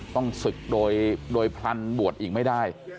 ต้องศึกโดยพลันบวชอีกไม่ได้